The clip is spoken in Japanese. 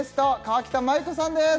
河北麻友子さんです